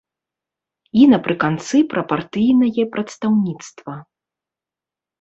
І напрыканцы пра партыйнае прадстаўніцтва.